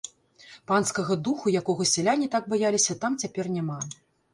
Панскага духу, якога сяляне так баяліся, там цяпер няма.